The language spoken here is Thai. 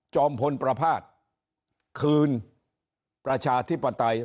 พลประพาทคืนประชาธิปไตย